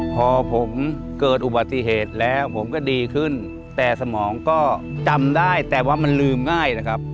พอผมเกิดอุบัติเหตุแล้วผมก็ดีขึ้นแต่สมองก็จำได้แต่ว่ามันลืมง่ายนะครับ